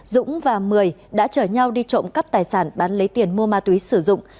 dũng và mười đã chở nhau đi trộm cắp tài sản bán lấy tiền mua ma túy sử dụng